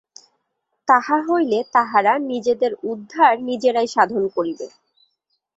তাহা হইলে তাহারা নিজেদের উদ্ধার নিজেরাই সাধন করিবে।